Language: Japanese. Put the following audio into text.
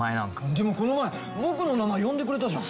でもこの前僕の名前呼んでくれたじゃん！